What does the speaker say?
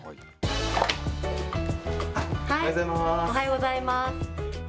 おはようございます。